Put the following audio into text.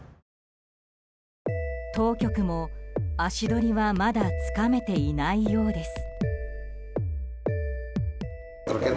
当局も足取りはまだつかめていないようです。